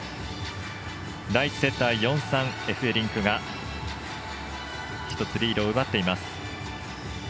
第１セットは４−３エフベリンクが１つリードを奪っています。